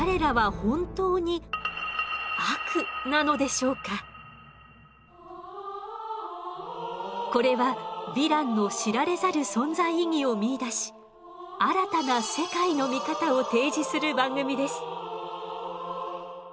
しかし彼らはこれはヴィランの知られざる存在意義を見いだし新たな世界の見方を提示する番組です。